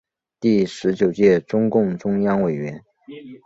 第十九届中共中央委员。